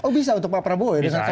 oh bisa untuk pak prabowo ya